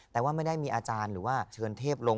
แต่ว่าไม่ได้มีอาจารย์หรือว่าเชิญเทพลง